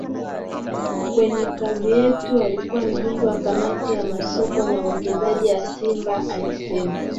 kwenye klabu yetu alikuwa mjumbe wa kamati ya Masoko na Uwekezaji ya Simba alisema